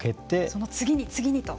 その次に次にと。